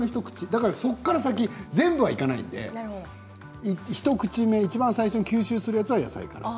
だから、そこから先全部はいかないので一口目、いちばん最初吸収するやつは野菜から。